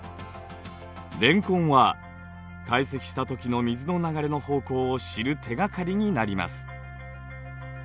漣痕は堆積した時の水の流れの方向を知る手がかりになります。